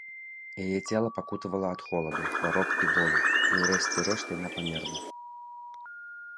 Яе цела пакутавала ад холаду, хвароб і болю, і ўрэшце рэшт яна памерла.